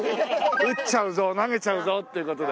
打っちゃうぞ投げちゃうぞっていう事で。